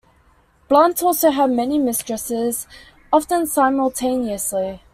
Blunt also had many mistresses, often simultaneously.